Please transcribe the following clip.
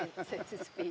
ya tentu saja